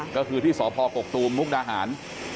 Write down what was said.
ก็คือที่สพกกตูมมุกดาหาร